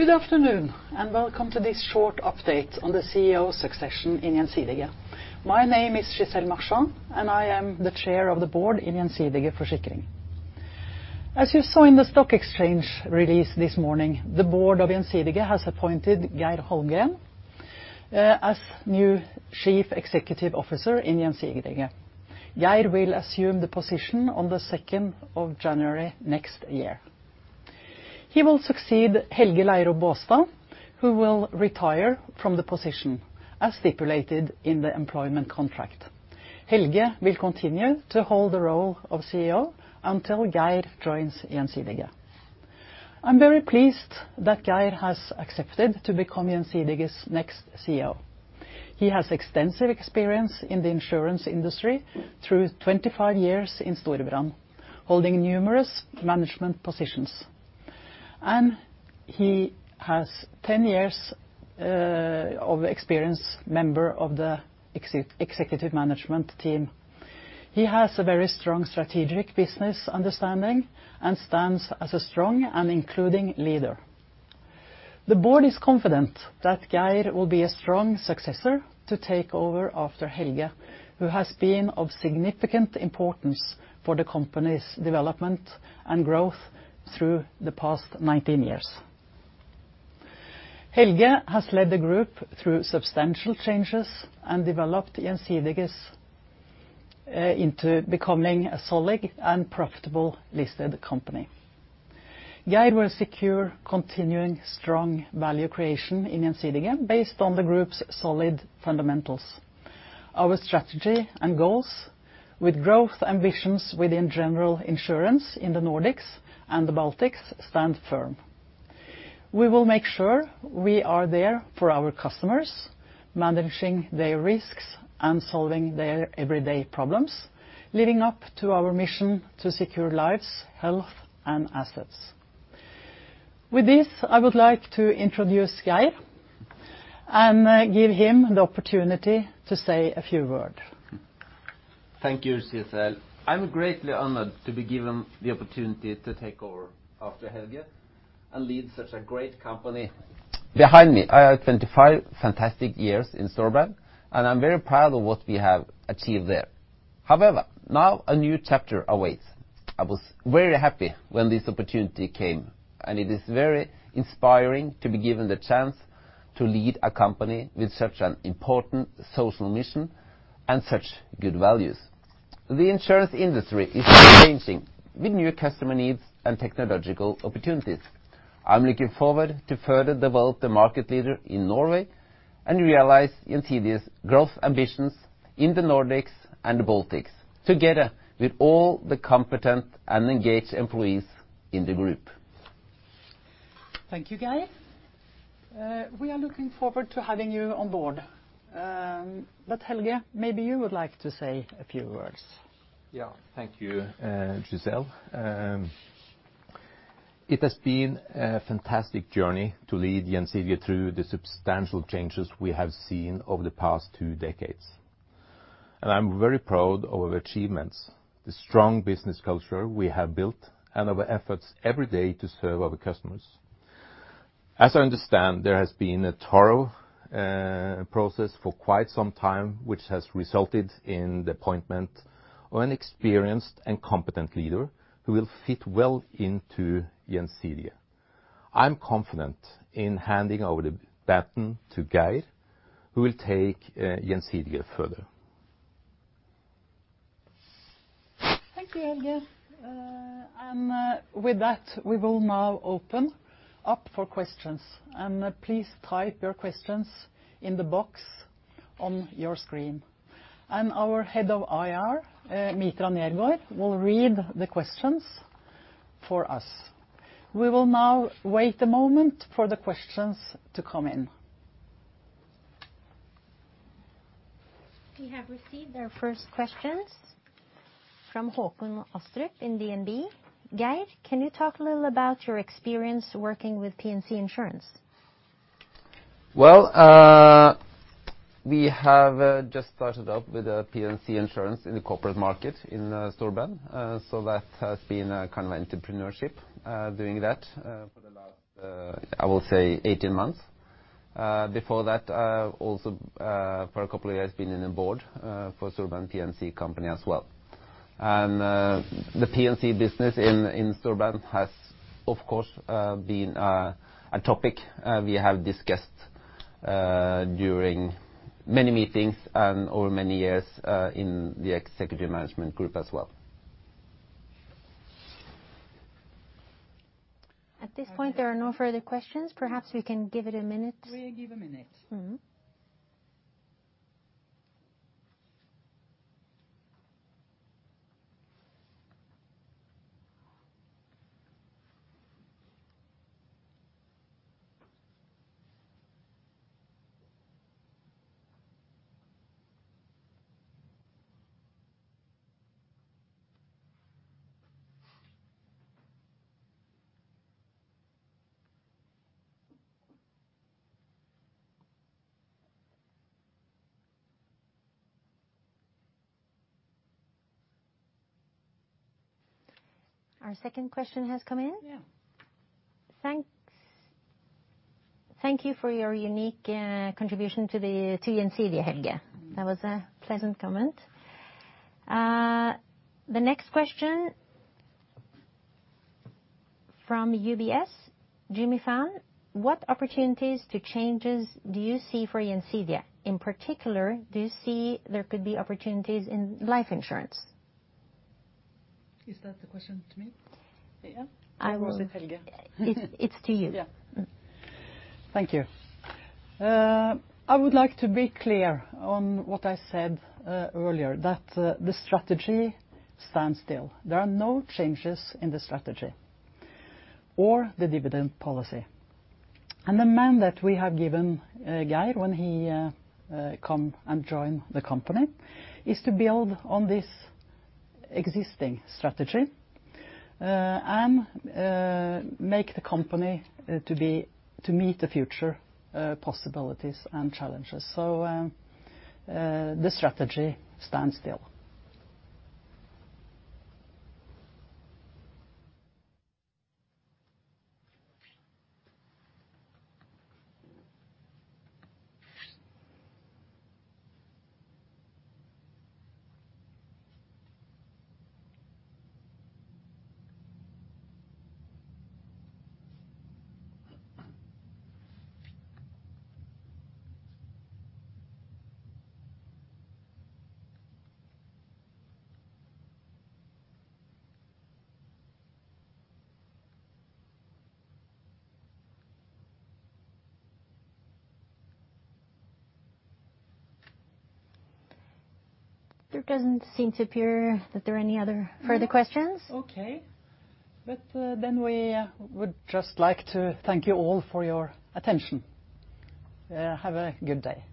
Good afternoon, and welcome to this short update on the CEO succession in Gjensidige. My name is Gisèle Marchand, and I am the Chair of the Board in Gjensidige Forsikring. As you saw in the stock exchange release this morning, the Board of Gjensidige has appointed Geir Holmgren as new Chief Executive Officer in Gjensidige. Geir will assume the position on the 2nd of January next year. He will succeed Helge Leiro Baastad, who will retire from the position as stipulated in the employment contract. Helge will continue to hold the role of CEO until Geir joins Gjensidige. I'm very pleased that Geir has accepted to become Gjensidige's next CEO. He has extensive experience in the insurance industry through 25 years in Storebrand, holding numerous management positions. And he has 10 years of experience as a member of the executive management team. He has a very strong strategic business understanding and stands as a strong and inclusive leader. The Board is confident that Geir will be a strong successor to take over after Helge, who has been of significant importance for the company's development and growth through the past 19 years. Helge has led the group through substantial changes and developed Gjensidige into becoming a solid and profitable listed company. Geir will secure continuing strong value creation in Gjensidige based on the group's solid fundamentals. Our strategy and goals, with growth ambitions within general insurance in the Nordics and the Baltics, stand firm. We will make sure we are there for our customers, managing their risks and solving their everyday problems, living up to our mission to secure lives, health, and assets. With this, I would like to introduce Geir and give him the opportunity to say a few words. Thank you, Gisèle. I'm greatly honored to be given the opportunity to take over after Helge and lead such a great company. Behind me, I have 25 fantastic years in Storebrand, and I'm very proud of what we have achieved there. However, now a new chapter awaits. I was very happy when this opportunity came, and it is very inspiring to be given the chance to lead a company with such an important social mission and such good values. The insurance industry is changing with new customer needs and technological opportunities. I'm looking forward to further develop the market leader in Norway and realize Gjensidige's growth ambitions in the Nordics and the Baltics, together with all the competent and engaged employees in the group. Thank you, Geir. We are looking forward to having you on board. But Helge, maybe you would like to say a few words. Yeah, thank you, Gisèle. It has been a fantastic journey to lead Gjensidige through the substantial changes we have seen over the past two decades. And I'm very proud of our achievements, the strong business culture we have built, and our efforts every day to serve our customers. As I understand, there has been a thorough process for quite some time, which has resulted in the appointment of an experienced and competent leader who will fit well into Gjensidige. I'm confident in handing over the baton to Geir, who will take Gjensidige further. Thank you, Helge. With that, we will now open up for questions. Please type your questions in the box on your screen. Our head of IR, Mitra Negård, will read the questions for us. We will now wait a moment for the questions to come in. We have received our first questions from Håkon Astrup in DNB. Geir, can you talk a little about your experience working with P&C insurance? We have just started up with P&C insurance in the corporate market in Storebrand. That has been a kind of entrepreneurship doing that for the last, I will say, 18 months. Before that, I also, for a couple of years, been on the board for Storebrand P&C Company as well. The P&C business in Storebrand has, of course, been a topic we have discussed during many meetings and over many years in the executive management group as well. At this point, there are no further questions. Perhaps we can give it a minute. We give a minute. Our second question has come in. Yeah. Thank you for your unique contribution to Gjensidige, Helge. That was a pleasant comment. The next question from UBS, Jimmy Fan. What opportunities or changes do you see for Gjensidige? In particular, do you see there could be opportunities in life insurance? Is that the question to me? Yeah. Or was it Helge? It's to you. Yeah. Thank you. I would like to be clear on what I said earlier, that the strategy stands still. There are no changes in the strategy or the dividend policy. The mandate that we have given Geir when he came and joined the company is to build on this existing strategy and make the company to meet the future possibilities and challenges. The strategy stands still. There doesn't seem to appear that there are any other further questions. Okay. But then we would just like to thank you all for your attention. Have a good day.